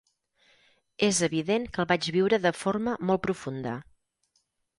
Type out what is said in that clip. És evident que el vaig viure de forma molt profunda.